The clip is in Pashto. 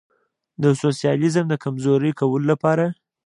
د سوسیالیزم د کمزوري کولو لپاره.